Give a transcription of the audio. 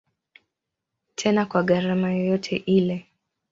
Tena kwa gharama yoyote ile.